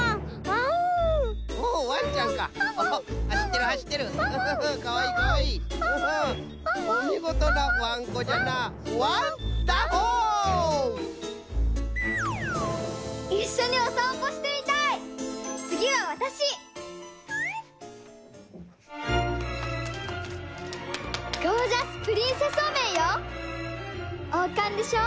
おうかんでしょ。